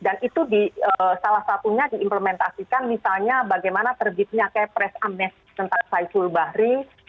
dan itu salah satunya diimplementasikan misalnya bagaimana terbitnya kayak pres amnest tentang saiful bahri